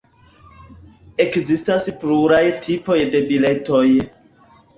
Ekzistas pluraj tipoj de biletoj.